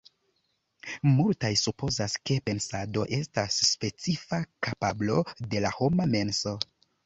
Multaj supozas, ke pensado estas specifa kapablo de la homa menso.